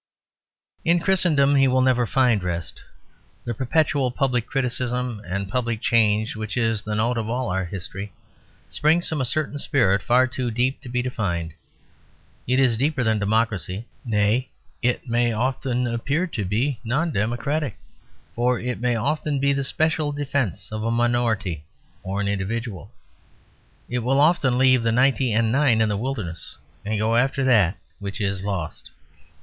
In Christendom he will never find rest. The perpetual public criticism and public change which is the note of all our history springs from a certain spirit far too deep to be defined. It is deeper than democracy; nay, it may often appear to be non democratic; for it may often be the special defence of a minority or an individual. It will often leave the ninety and nine in the wilderness and go after that which is lost.